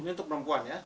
ini untuk perempuan ya